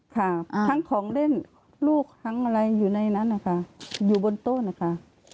ค่ะทั้งของเล่นลูกทั้งอะไรอยู่ในนั้นนะคะอยู่บนโต๊ะนะคะ